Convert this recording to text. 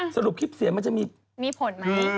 สรุปคลิปเสียงมันจะมีผลไหม